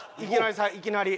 いきなり。